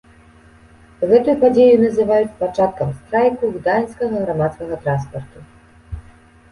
Гэтую падзею называюць пачаткам страйку гданьскага грамадскага транспарту.